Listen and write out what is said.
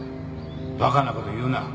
バカなこと言うな